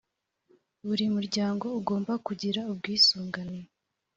buri muryango ugomba kugira ubwisungane